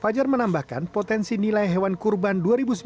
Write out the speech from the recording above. fajar menambahkan potensi nilai hewan kurban dua ribu sembilan belas